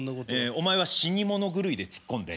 お前は死に物狂いでツッコんで。